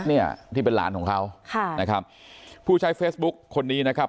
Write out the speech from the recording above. เนี่ยที่เป็นหลานของเขาค่ะนะครับผู้ใช้เฟซบุ๊คคนนี้นะครับ